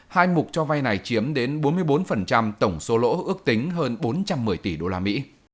hai mục cho vay này chiếm đến bốn mươi bốn tổng số lỗ ước tính hơn bốn trăm một mươi tỷ usd